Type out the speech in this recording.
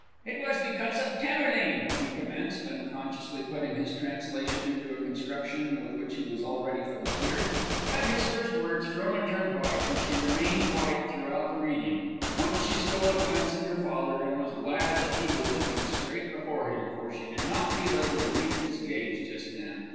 "'It was because of Tamerlane,'" he commenced, unconsciously putting his translation into a construction with which he was already familiar. At his first words Frona turned white, and she remained white throughout the reading. Once she stole a glance at her father, and was glad that he was looking straight before him, for she did not feel able to meet his gaze just them.